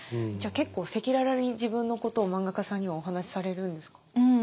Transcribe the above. じゃあ結構赤裸々に自分のことを漫画家さんにはお話しされるんですか？